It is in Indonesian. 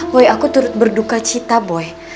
boy aku turut berduka cita boy